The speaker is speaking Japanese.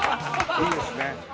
いいですね。